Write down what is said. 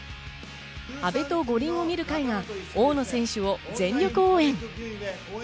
「阿部と五輪を見る会」は大野選手を全力応援。